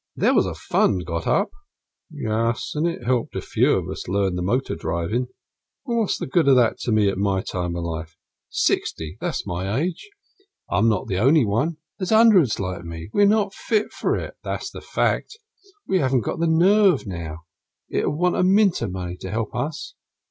"There was a fund got up." "Yes, it helped a few of us to learn the motor drivin'; but what's the good of that to me, at my time of life? Sixty, that's my age; I'm not the only one there's hundreds like me. We're not fit for it, that's the fact; we haven't got the nerve now. It'd want a mint of money to help us.